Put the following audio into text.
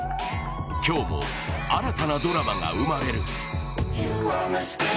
今日も新たなドラマが生まれる。